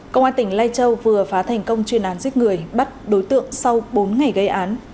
công an tỉnh lai châu vừa phá thành công chuyên án giết người bắt đối tượng sau bốn ngày gây án